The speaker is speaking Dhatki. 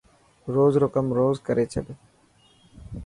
روز رو ڪم روز ڪري ڇڏ.